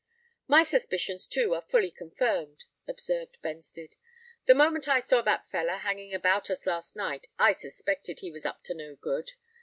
"My suspicions, too, are fully confirmed," observed Benstead. "The moment I saw that feller hanging about us last night, I suspected he was up to no good.